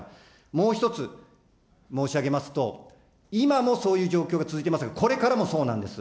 もう一つ、申し上げますと、今もそういう状況が続いてますが、これからもそうなんです。